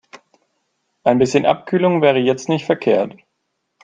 Ein bisschen Abkühlung wäre jetzt nicht verkehrt.